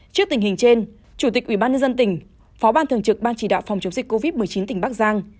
trước tình hình trên chủ tịch ubnd tỉnh phó ban thường trực ban chỉ đạo phòng chống dịch covid một mươi chín tỉnh bắc giang